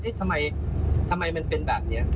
เอ๊ะทำไมทำไมมันเป็นแบบนี้